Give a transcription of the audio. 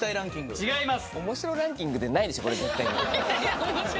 違います。